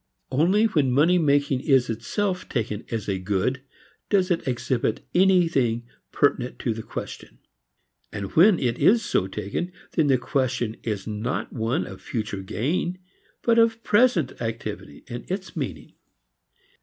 Only when money making is itself taken as a good does it exhibit anything pertinent to the question. And when it is so taken, then the question is not one of future gain but of present activity and its meaning.